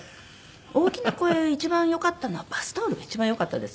大きな声一番よかったのはバスタオルが一番よかったです。